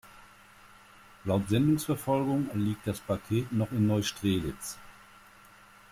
Laut Sendungsverfolgung liegt das Paket noch in Neustrelitz.